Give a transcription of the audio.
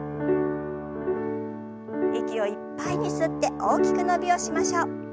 息をいっぱいに吸って大きく伸びをしましょう。